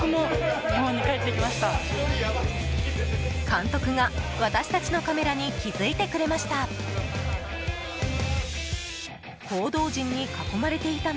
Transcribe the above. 監督が私たちのカメラに気付いてくれました。